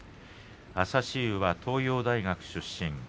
朝志雄は東洋大学出身。